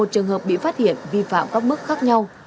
một mươi một trường hợp bị phát hiện vi phạm có mức khác nhau